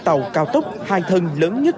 tàu cao tốc hài thân lớn nhất